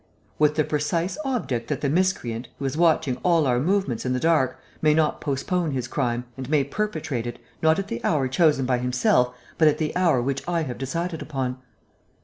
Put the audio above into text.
"With the precise object that the miscreant, who is watching all our movements in the dark, may not postpone his crime and may perpetrate it, not at the hour chosen by himself, but at the hour which I have decided upon."